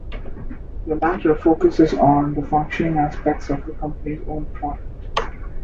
The latter focuses on the functional aspects of the company's own product.